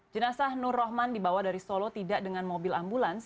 jenazah nur rohman dibawa dari solo tidak dengan mobil ambulans